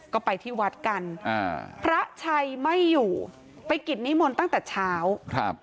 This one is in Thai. ก็ไปที่วัดกันอ่าพระชัยไม่อยู่ไปกิจนิมนต์ตั้งแต่เช้าครับ